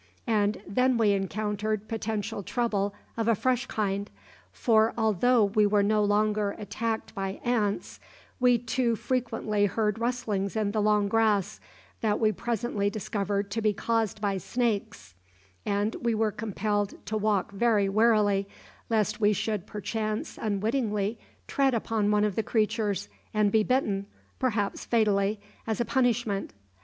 And then we encountered potential trouble of a fresh kind, for although we were no longer attacked by ants, we too frequently heard rustlings in the long grass that we presently discovered to be caused by snakes, and we were compelled to walk very warily, lest we should perchance unwittingly tread upon one of the creatures, and be bitten, perhaps fatally, as a punishment.